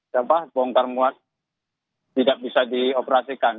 sampah bongkar muat tidak bisa dioperasikan